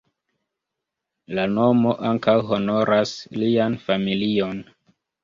La nomo ankaŭ honoras lian familion.